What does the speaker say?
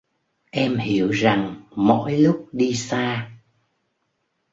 Em hiểu rằng mỗi lúc đi xa